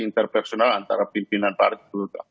intervensional antara pimpinan partai